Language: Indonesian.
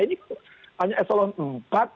ini hanya eselon empat